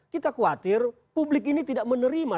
kita khawatir publik ini tidak menerima